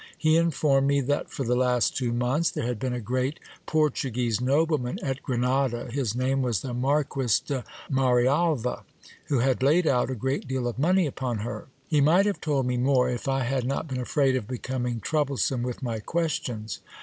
He informed me that for the last two months there had been a great Portuguese nobleman at Grenada, his name was the Marquis de Marialva, who had laid out a great deal of money upon her. He might have told me more, if I had not been afraid of becoming troublesome with my questions.